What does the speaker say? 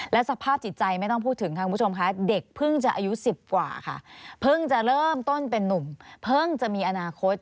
และสภาพจิตใจไม่ต้องพูดถึงค่ะคุณผู้ชมค่ะเด็กเพิ่งจะอายุ๑๐กว่าค่ะเพิ่งจะเริ่มต้นเป็นนุ่มเพิ่งจะมีอนาคต